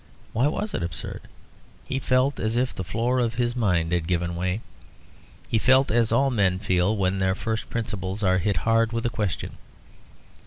Why was it absurd? He felt as if the floor of his mind had given way. He felt as all men feel when their first principles are hit hard with a question.